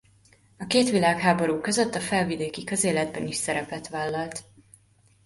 A két világháború között a felvidéki közéletben is szerepet vállalt.